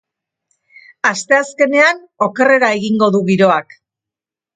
Asteazkenean, okerrera egingo du giroak.